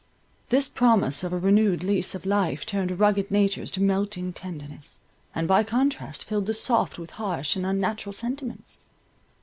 This promise of a renewed lease of life turned rugged natures to melting tenderness, and by contrast filled the soft with harsh and unnatural sentiments.